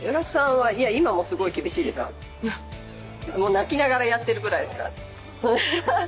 もう泣きながらやってるぐらいだから。